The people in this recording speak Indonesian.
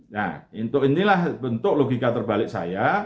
nah inilah bentuk logika terbalik saya